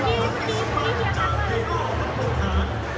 ภารกิจภาพจากเด็กออกฝั่งโปรคาร